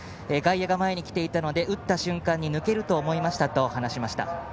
外野が前に来ていたので打った瞬間に抜けると思いましたと話しました。